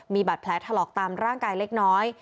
มีบาดแผลถลอกตามร่างกายเล็กน้อย